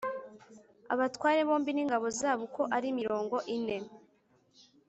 abatware bombi n ingabo zabo uko ari mirongo ine